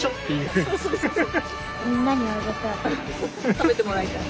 食べてもらいたい？